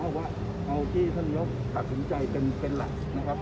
เอาที่ท่านนายกกระชุมใจเป็นหลักนะครับ